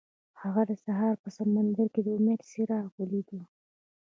هغه د سهار په سمندر کې د امید څراغ ولید.